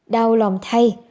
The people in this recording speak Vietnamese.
đau lòng thay